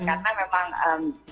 karena memang ya lebih banyak